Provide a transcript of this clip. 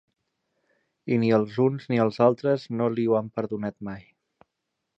I ni els uns ni els altres no li ho han perdonat mai.